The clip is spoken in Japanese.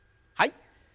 はい。